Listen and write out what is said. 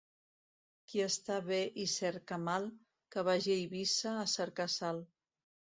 Qui està bé i cerca mal, que vagi a Eivissa a cercar sal.